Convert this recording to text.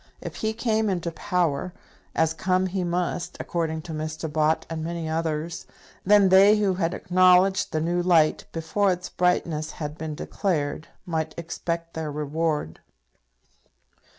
If he came into power, as come he must, according to Mr. Bott and many others, then they who had acknowledged the new light before its brightness had been declared, might expect their reward.